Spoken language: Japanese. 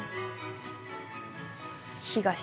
「東」。